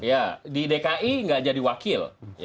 ya di dki nggak jadi wakil